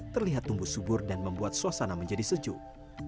terlihat tumbuh subur dan membuat suasana menjadi sejuk